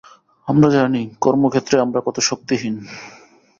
আমরা জানি, কর্মক্ষেত্রে আমরা কত শক্তিহীন।